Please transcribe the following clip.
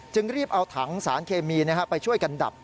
รีบเอาถังสารเคมีไปช่วยกันดับ